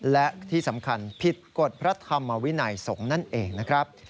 และที่สำคัญผิดกฎพระธรรมวินัยสงฆ์นั่นเองนะครับ